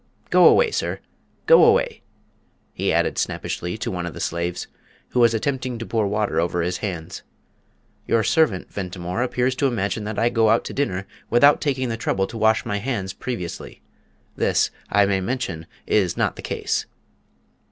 Go away, sir! go away!" he added snappishly, to one of the slaves, who was attempting to pour water over his hands. "Your servant, Ventimore, appears to imagine that I go out to dinner without taking the trouble to wash my hands previously. This, I may mention, is not the case."